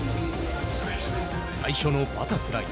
最初のバタフライ。